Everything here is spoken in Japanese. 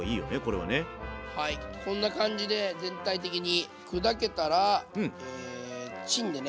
はいこんな感じで全体的に砕けたらチンでね